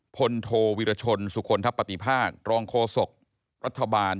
โทวิรชนสุคลทัพปฏิภาครองโฆษกรัฐบาล